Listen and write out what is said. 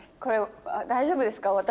これ大丈夫ですか？